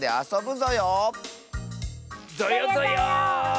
ぞよぞよ。